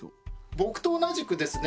僕と同じくですね